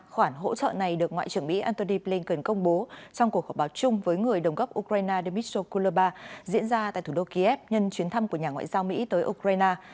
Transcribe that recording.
khoản hỗ trợ này được ngoại trưởng mỹ antony blinken công bố trong cuộc họp báo chung với người đồng góp ukraine dmitr kuloba diễn ra tại thủ đô kiev nhân chuyến thăm của nhà ngoại giao mỹ tới ukraine